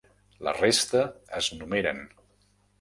La resta es numeren.